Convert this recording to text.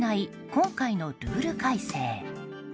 今回のルール改正。